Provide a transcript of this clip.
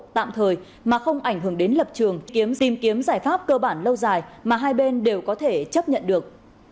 tạm thời mà không ảnh hưởng đến lập trường kiếm tìm kiếm giải pháp cơ bản lâu dài mà hai bên đều có thể chấp nhận được